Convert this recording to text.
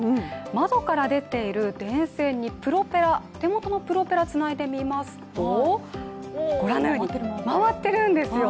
窓から出ている電線に手元のプロペラをつないでみますとご覧のように、回っているんですよ。